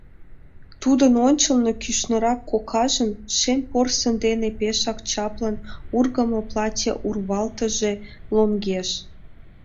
Тудын ончылно кӱшнырак кокажын шем порсын дене пешак чаплын ургымо платье урвалтыже лоҥеш.